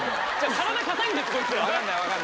体硬いんですこいつら。